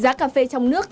giá cà phê trong nước